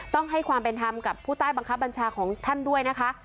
ต้องให้ความเป็นธรรมกับผู้ใต้บังคับบัญชาของท่านด้วยนะคะ